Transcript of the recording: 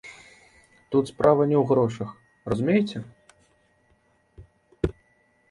Тут справа не ў грошах, разумееце?